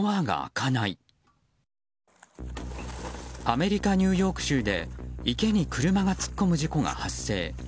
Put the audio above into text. アメリカ・ニューヨーク州で池に車が突っ込む事故が発生。